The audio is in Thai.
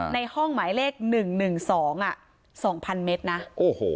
ในห้องหมายเลขหนึ่งหนึ่งสองอ่ะสองพันเมตรนะโอ้โห